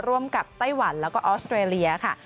ร่วมกับไต้หวันแล้วก็ออสเตรเลียค่ะ